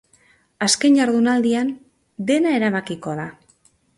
Azken jardunaldian, dena erabakiko da.